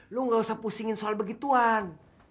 lo nggak usah pusingin soal begituan